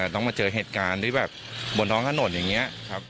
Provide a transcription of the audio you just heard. ต้องมาเจอเหตุการณ์ที่แบบบนท้องถนนอย่างนี้ครับ